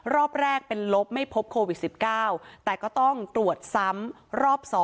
รอบแรกเป็นลบไม่พบโควิด๑๙แต่ก็ต้องตรวจซ้ำรอบ๒